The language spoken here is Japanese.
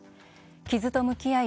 傷と向き合い